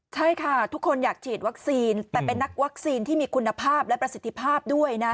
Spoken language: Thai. ใช่ค่ะทุกคนอยากฉีดวัคซีนแต่เป็นนักวัคซีนที่มีคุณภาพและประสิทธิภาพด้วยนะ